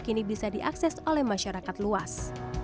kini bisa diakses oleh masyarakat luas